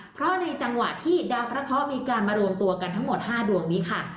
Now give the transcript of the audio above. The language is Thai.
เพราะในจังหวะที่ดาวพระเคาะมีการมารวมตัวกันทั้งหมด๕ดวงนี้ค่ะ